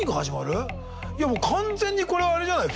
いやもう完全にこれはあれじゃない？